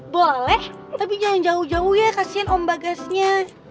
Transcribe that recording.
boleh tapi jangan jauh jauh ya kasian omba gasnya